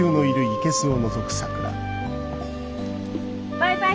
バイバイ